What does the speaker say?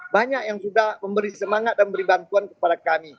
banyak yang sudah memberi semangat dan memberi bantuan kepada kami